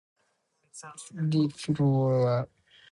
This leads to lower freight and passenger throughput.